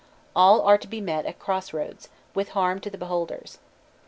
All are to be met at crossroads, with harm to the beholders.